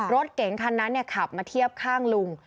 รถเก๋งคันนั้นขับมาเทียบข้างลุง